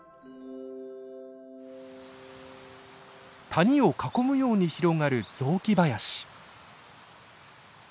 谷を囲むように広がる雑木林。